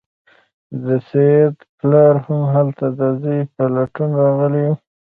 د سید پلار هم هلته د زوی په لټون راغلی و.